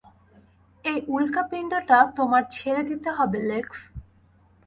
ওই উল্কাপিণ্ডটা তোমার ছেড়ে দিতে হবে, লেক্স।